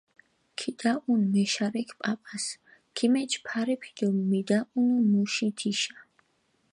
ქიდაჸუნჷ მეშარექ პაპას, ქიმეჩჷ ფარეფი დო მიდაჸუნუ მუში თიშა.